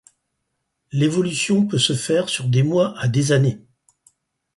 L'évolution peut se faire sur des mois à des années.